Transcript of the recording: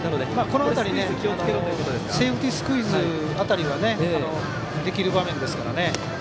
この辺りはセーフティースクイズ辺りはできる場面ですね。